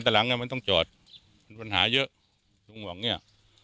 แต่หลังเนี้ยมันต้องจอดปัญหาเยอะลุงบอกอย่างเงี้ย